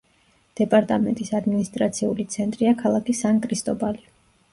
დეპარტამენტის ადმინისტრაციული ცენტრია ქალაქი სან-კრისტობალი.